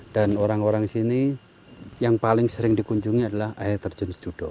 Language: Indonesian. dan orang orang sini yang paling sering dikunjungi adalah air terjun sejudo